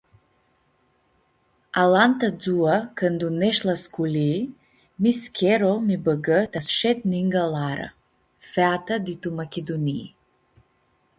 Alantã dzuã cãndu nesh la sculii mis Cherol mi bãgã ta s-shed ninga Lara, feata di tu Machidunii.